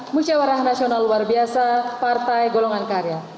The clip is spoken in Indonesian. musyawarah nasional luar biasa partai golongan karya